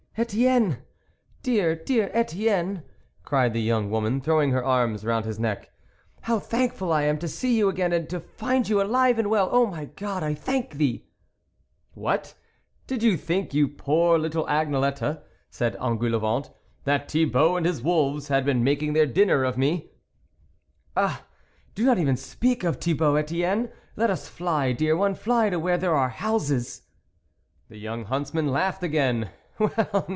" Etienne ! dear, dear Etienne," cried the young woman, throwing her arms round his neck. " How thankful I am to see you again, and to find you alive and well ! Oh, my God, I thank Thee !"" What, did you think, you poor little Agnelette," said Engoulevent, " that Thi io6 THE WOLF LEADER bault and his wolves had been making their dinner of me ?"" Ah ! do not even speak of Thibault, Etienne ! let us fly, dear one, fly to where there are houses !" The young huntsman laughed again.